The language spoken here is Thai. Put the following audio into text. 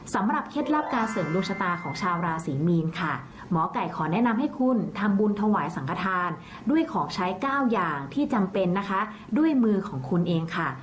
เคล็ดลับการเสริมดวงชะตาของชาวราศรีมีนค่ะหมอไก่ขอแนะนำให้คุณทำบุญถวายสังขทานด้วยของใช้๙อย่างที่จำเป็นนะคะด้วยมือของคุณเองค่ะ